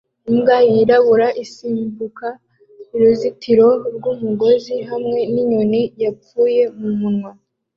imbwa yirabura isimbuka uruzitiro rwumugozi hamwe ninyoni yapfuye mumunwa